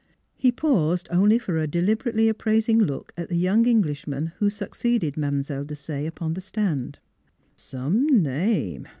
He paused only for a deliberately appraising look at the young Englishman who succeeded Mile. Desaye upon the stand. " Some name